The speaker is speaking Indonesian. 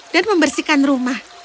dan membersihkan rumah